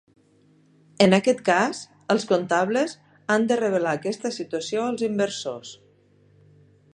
En aquest cas, els comptables han de revelar aquesta situació als inversors.